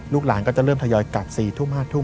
หลานก็จะเริ่มทยอยกลับ๔ทุ่ม๕ทุ่ม